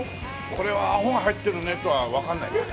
これはアホが入ってるねとはわからないね。